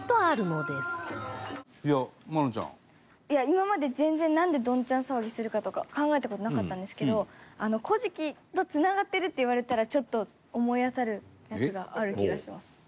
いや今まで全然なんでどんちゃん騒ぎするかとか考えた事なかったんですけど『古事記』とつながってるって言われたらちょっと思い当たるやつがある気がします。